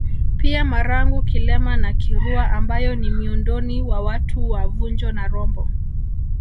Pia Marangu Kilema na Kirua ambayo ni miondoni wa watu wa vunjo na rombo